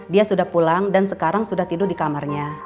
dia sudah pulang dan sekarang sudah tidur di kamarnya